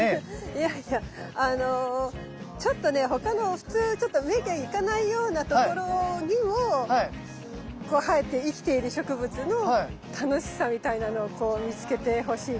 いやいやあのちょっとね他の普通ちょっと目が行かないような所にも生えて生きている植物の楽しさみたいなのをこう見つけてほしいかなっていう。